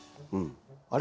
あれ？